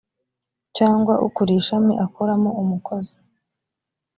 cyangwa ukuriye ishami akoramo umukozi